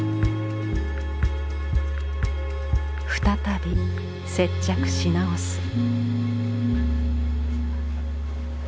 再び接着し直す。